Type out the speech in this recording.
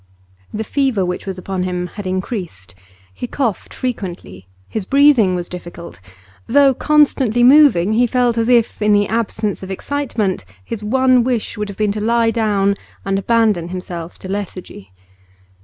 The fever which was upon him had increased. He coughed frequently; his breathing was difficult; though constantly moving, he felt as if, in the absence of excitement, his one wish would have been to lie down and abandon himself to lethargy.